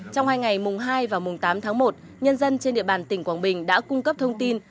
trong hai ngày mùng hai và mùng tám tháng một nhân dân trên địa bàn tỉnh quảng bình đã cung cấp thông tin